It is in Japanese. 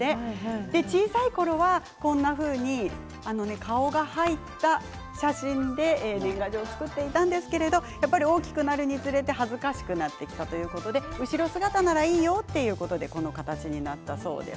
小さいころは、こんなふうに顔が入った写真で年賀状を作っていたんですけど大きくなるにつれて恥ずかしくなったということで後ろ姿ならいいよ、ということでこの形になったということです。